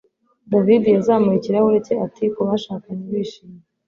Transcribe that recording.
David yazamuye ikirahure cye ati Kubashakanye bishimye